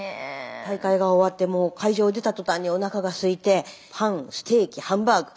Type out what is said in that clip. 大会が終わってもう会場を出た途端におなかがすいてパンステーキハンバーグ